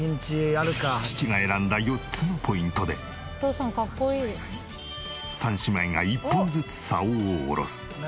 父が選んだ４つのポイントで三姉妹が一本ずつ竿を下ろす。